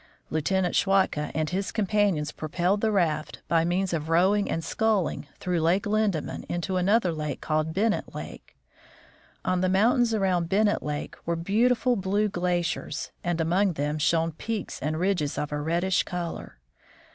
Lieutenant Schwatka and his companions propelled the raft, by means of rowing and sculling, through Lake Linde man into another lake called Bennett lake. On the moun tains around Bennett lake were beautiful blue glaciers, Crossing the Coast Range. and among them shone peaks and ridges of a reddish color.